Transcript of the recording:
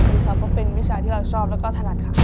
รู้สึกดีค่ะเพราะว่าเป็นวิชาที่เราชอบค่ะ